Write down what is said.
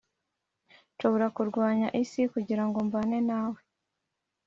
nshobora kurwanya isi kugirango mbane nawe.